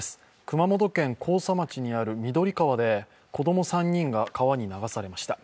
熊本県甲佐町にある緑川で子供３人が川に流されました。